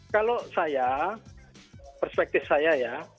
kalau saya perspektif saya ya